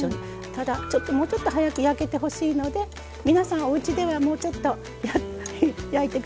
ただちょっともうちょっと早く焼けてほしいので皆さんおうちではもうちょっと焼いて下さいよ。